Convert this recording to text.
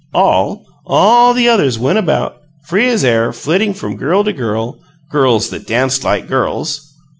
All, all the others went about, free as air, flitting from girl to girl girls that danced like girls!